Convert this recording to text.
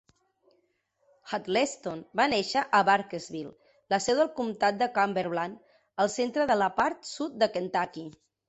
Huddleston va néixer a Burkesville, la seu del comtat de Cumberland al centre de la part sud de Kentucky.